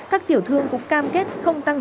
các tiểu thương cũng cam kết không tăng